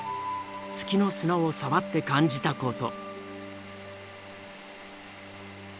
月の砂を触って感じたこと。